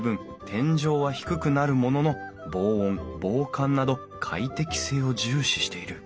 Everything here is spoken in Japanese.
天井は低くなるものの防音防寒など快適性を重視している